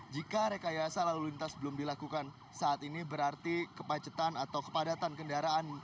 jika rekayasa lalu lintas belum dilakukan saat ini berarti kemacetan atau kepadatan kendaraan